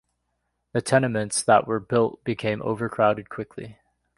The tenements that were built became overcrowded quickly.